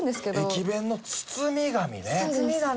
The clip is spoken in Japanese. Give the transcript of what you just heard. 駅弁の包み紙ね！